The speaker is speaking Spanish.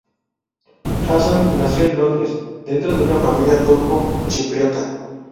Hassan nació en Londres, dentro de una familia turco-chipriota.